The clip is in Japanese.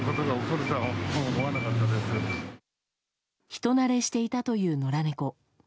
人慣れしていたという野良猫。